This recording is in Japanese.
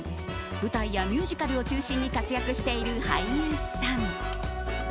舞台やミュージカルを中心に活躍している俳優さん。